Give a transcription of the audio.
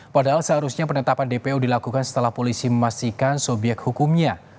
padahal seharusnya penetapan dpo dilakukan setelah polisi memastikan subyek hukumnya